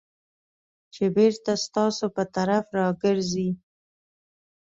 چې بېرته ستاسو په طرف راګرځي .